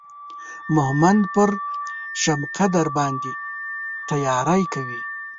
مهمند پر شبقدر باندې تیاری کوي.